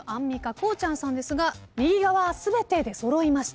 こうちゃんさんですが右側は全て出揃いました。